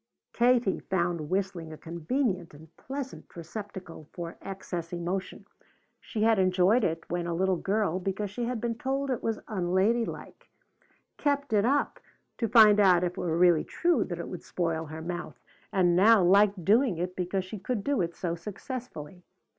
Katie found whistling a convenient and pleasant recepticle for excess emotion. She had enjoyed it when a little girl because she had been told it was unladylike; kept it up to find out if it were really true that it would spoil her mouth, and now liked doing it because she could do it so successfully.